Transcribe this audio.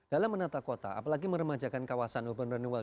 dalam menata kota apalagi meremajakan kawasan urban renual